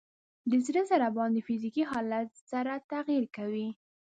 د زړه ضربان د فزیکي حالت سره تغیر کوي.